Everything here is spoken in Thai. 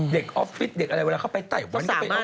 เด็กออฟฟิศเด็กอะไรเวลาเข้าไปไต่วัน